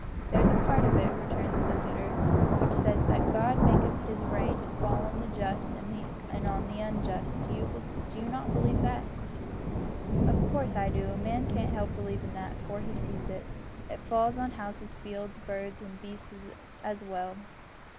"There's a part of it," returned the visitor, "which says that God maketh his rain to fall on the just and on the unjust. Do you not believe that?" "Of course I do. A man can't help believin' that, for he sees it it falls on houses, fields, birds and beasts as well."